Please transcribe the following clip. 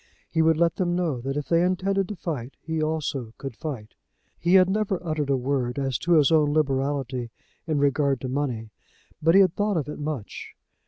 He would let them know, that if they intended to fight, he also could fight. He had never uttered a word as to his own liberality in regard to money, but he had thought of it much.